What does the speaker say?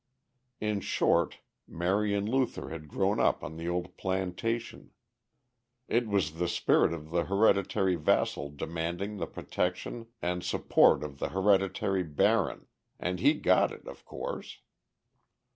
In short, Marion Luther had grown up on the old plantation; it was the spirit of the hereditary vassal demanding the protection and support of the hereditary baron, and he got it, of course.